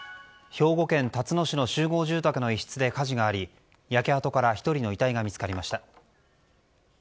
兵庫県たつの市の集合住宅の一室で火事があり焼け跡から１人の遺体が見つかりました。